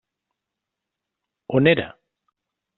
On era?